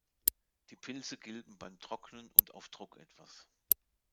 Die Pilze gilben beim Trocknen und auf Druck etwas.